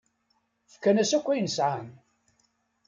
Fkan-as akk ayen sɛan.